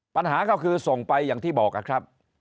ปัญหาก็คือส่งไปอย่างที่บอกครับ